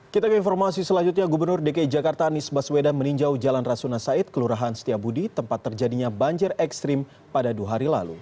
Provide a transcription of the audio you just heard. kita ke informasi selanjutnya gubernur dki jakarta anies baswedan meninjau jalan rasuna said kelurahan setiabudi tempat terjadinya banjir ekstrim pada dua hari lalu